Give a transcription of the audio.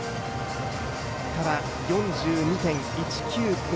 ただ、４２．１９５